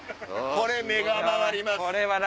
これ目が回ります。